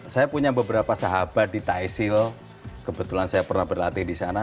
saya punya beberapa sahabat di thaisel kebetulan saya pernah berlatih di sana